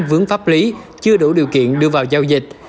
vướng pháp lý chưa đủ điều kiện đưa vào giao dịch